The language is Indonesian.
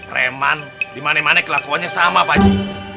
reman dimana mana kelakuannya sama pak haji